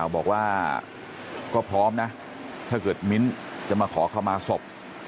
บอกว่าก็พร้อมนะถ้าเกิดมิ้นจะมาขอเข้ามาศพ